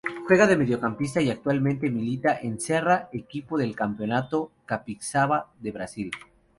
Juega de mediocampista y actualmente milita en Serra, equipo del Campeonato Capixaba de Brasil.